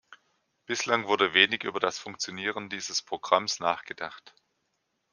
Bislang wurde wenig über das Funktionieren dieses Programms nachgedacht.